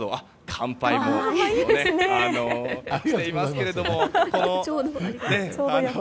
乾杯もしていますけれども。